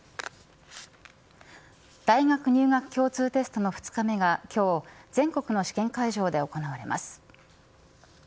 大学入学共通テストの２日目が今日全国の試験会場で行われます。